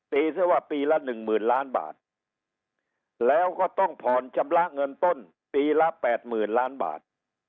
ตีซึ่งว่าปีละ๑หมื่นล้านบาทแล้วก็ต้องผ่อนชำระเงินต้นปีละ๘หมื่นล้านบาท